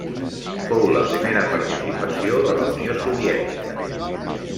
Fou la primera participació de la Unió Soviètica.